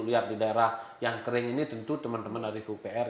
lihat di daerah yang kering ini tentu teman teman dari pupr